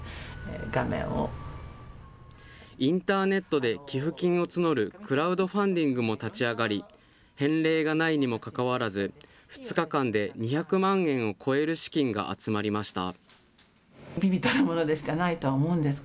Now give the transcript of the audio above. インターネットで寄付金を募るクラウドファンディングも立ち上がり、返礼がないにもかかわらず、２日間で２００万円を超える資金が集まりました。